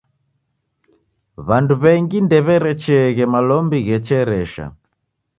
W'andu w'engi ndew'erecheeghe malombi ghecheresha.